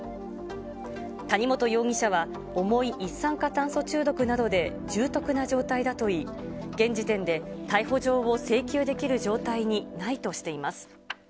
谷本容疑者は重い一酸化炭素中毒などで重篤な状態だといい、現時点で逮捕状を請求できる状態にないとしています。